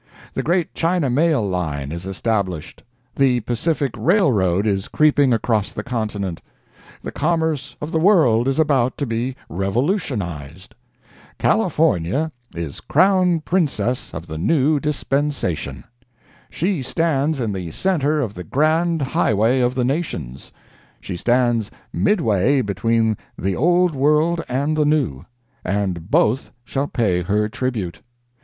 The great China Mail Line is established, the Pacific Railroad is creeping across the continent, the commerce of the world is about to be revolutionized. California is Crown Princess of the new dispensation! She stands in the centre of the grand highway of the nations; she stands midway between the Old World and the New, and both shall pay her tribute.